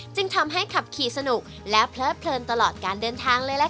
จึงทำให้ขับขี่สนุกและเพลิดเพลินตลอดการเดินทางเลยล่ะค่ะ